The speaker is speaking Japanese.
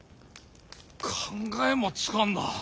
考えもつかんな。